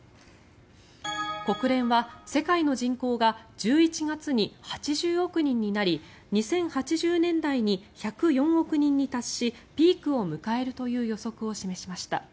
国連は世界の人口が１１月に８０億人になり２０８０年代に１０４億人に達しピークを迎えるという予測を示しました。